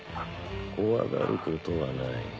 怖がることはない。